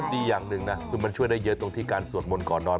ดีอย่างหนึ่งนะคือมันช่วยได้เยอะตรงที่การสวดมนต์ก่อนนอน